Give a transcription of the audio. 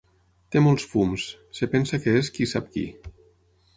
Té molts fums: es pensa que és qui sap qui.